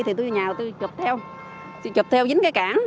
thì tôi ở nhà tôi chụp theo chụp theo dính cái cảng